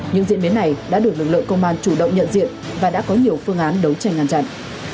những diễn biến này đã được lực lượng công an chủ động nhận diện và đã có nhiều phương án đấu tranh ngăn chặn